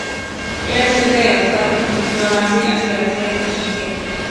Eran cerca de las cuando se inició el avance hacia la sede presidencial.